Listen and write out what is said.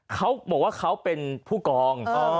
เขาบอกว่าเขาเป็นผู้กอง